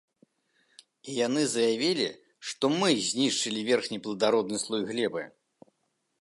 І яны заявілі, што мы знішчылі верхні пладародны слой глебы.